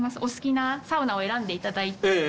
お好きなサウナを選んでいただいて。